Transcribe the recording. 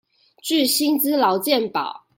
具薪資勞健保